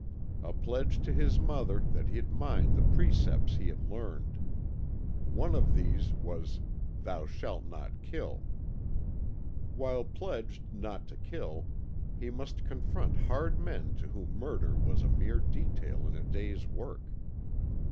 A pledge to his mother that he'd mind the precepts he had learned. One of these was "Thou Shalt Not Kill." While pledged not to kill, he must confront hard men to whom murder was a mere detail in a day's work.